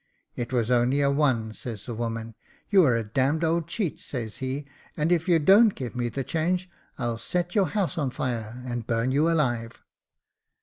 ' It was only a one,^ says the woman. * You are a d — d old cheat,' says he, * and if you don't give me the change, I'll set your house on fire, and burn you alive.'